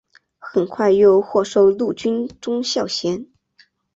很快又获授陆军中校衔。